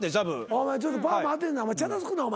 お前ちょっとパーマ当てんなチャラつくなお